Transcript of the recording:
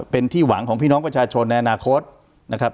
เป็นที่หวังของพี่น้องประชาชนในอนาคตนะครับ